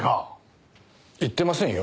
行ってませんよ